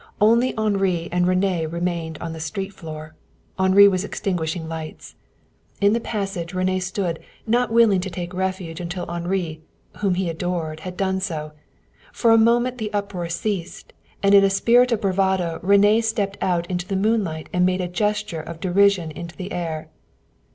Only Henri and René remained on the street floor. Henri was extinguishing lights. In the passage René stood, not willing to take refuge until Henri, whom he adored, had done so. For a moment the uproar ceased, and in a spirit of bravado René stepped out into the moonlight and made a gesture of derision into the air.